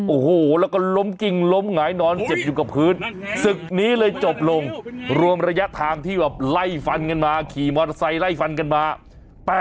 โอ้โหแล้วก็ล้มกิ้งล้มหงายนอนเจ็บอยู่กับพื้นศึกนี้เลยจบลงรวมระยะทางที่แบบไล่ฟันกันมาขี่มอเตอร์ไซค์ไล่ฟันกันมา